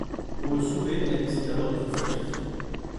Pour le sauver, elle décide alors de se sacrifier.